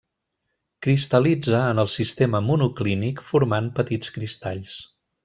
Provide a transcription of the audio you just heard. Cristal·litza en el sistema monoclínic formant petits cristalls.